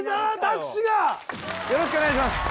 よろしくお願いします